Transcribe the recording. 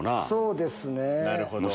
そうですね。